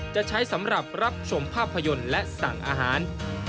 จะใช้สำหรับรับชมภาพยนตร์และสั่งอาหาร